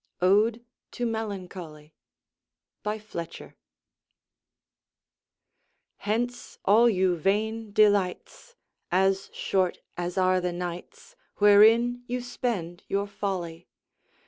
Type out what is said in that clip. ODE TO MELANCHOLY By Fletcher Hence, all you vain delights, As short as are the nights Wherein you spend your folly!